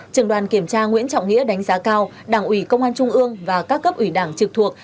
trường đoàn kiểm tra nguyễn trọng nghĩa đánh giá cao đảng ủy công an trung ương và các cấp ủy đảng trực thuộc